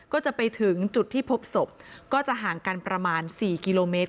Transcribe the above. ก็จะไปถึงจุดที่พบศพก็จะห่างกันประมาณ๔กิโลเมตร